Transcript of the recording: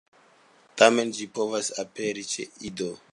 Tamen ĝi povas aperi ĉe ido.